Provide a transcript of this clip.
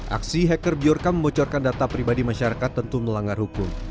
aksi hacker bjorka membocorkan data pribadi masyarakat tentu melanggar hukum